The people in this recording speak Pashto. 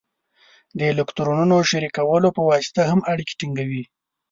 د الکترونونو شریکولو په واسطه هم اړیکې ټینګوي.